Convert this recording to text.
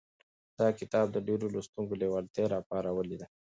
دا کتاب د ډېرو لوستونکو لېوالتیا راپارولې ده.